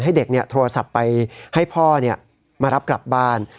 ให้เด็กโทรศัพท์ไปให้พ่อมารับกลับบ้าน